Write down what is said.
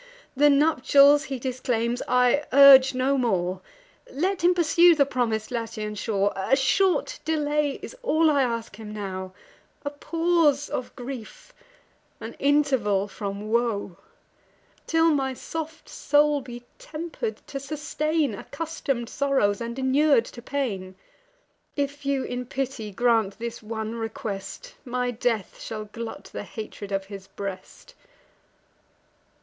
The nuptials he disclaims I urge no more: Let him pursue the promis'd Latian shore. A short delay is all I ask him now; A pause of grief, an interval from woe, Till my soft soul be temper'd to sustain Accustom'd sorrows, and inur'd to pain. If you in pity grant this one request, My death shall glut the hatred of his breast."